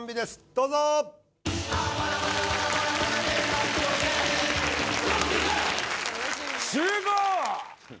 どうぞ集合！